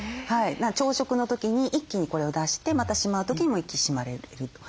朝食の時に一気にこれを出してまたしまう時にも一気にしまえると。